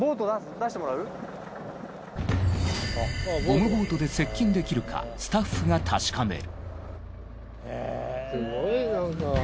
ゴムボートで接近できるかスタッフが確かめる。